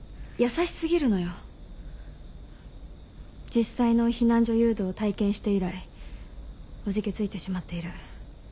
実際の避難所誘導を体験して以来おじけづいてしまっている。